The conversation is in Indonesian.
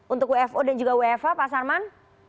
untuk wfo dan juga wfa pak sarman